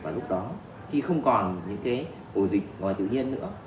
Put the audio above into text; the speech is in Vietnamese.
và lúc đó khi không còn những cái ổ dịch ngoài tự nhiên nữa